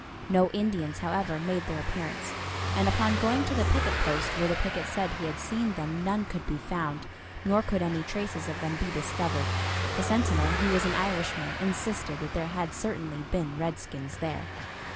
No Indians, however, made their appearance, and upon going to the picket post where the picket said he had seen them none could be found, nor could any traces of them be discovered. The sentinel, who was an Irishman, insisted that there had certainly been redskins there.